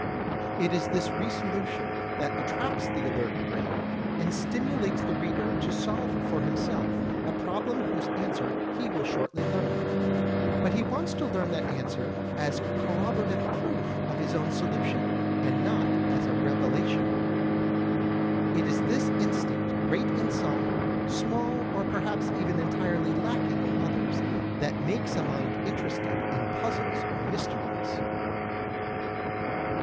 It is this re solution that attracts the alert brain, and stimulates the reader to solve for himself a problem whose answer he will shortly learn. But he wants to learn that answer as corroborative proof of his own solution, and not as a revelation. It is this instinct, great in some, small or perhaps even entirely lacking in others, that makes a mind interested in puzzles or mysteries.